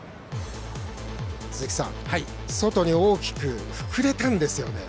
鈴木さん、外に大きく膨れたんですよね。